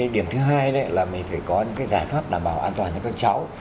điểm thứ hai là mình phải có những giải pháp đảm bảo an toàn cho các cháu